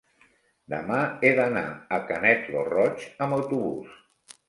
Demà he d'anar a Canet lo Roig amb autobús.